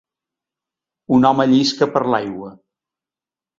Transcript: Un home llisca per l'aigua.